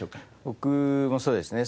僕もそうですね